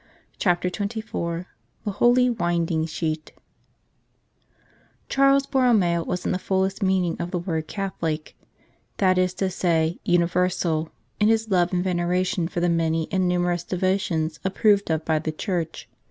160 CHAPTER XXIV THE HOLY WINDING SHEET CHARLES BORROMEO was in the fullest meaning of the word Catholic that is to say, universal in his love and veneration for the many and numerous devotions approved of by Holy Church.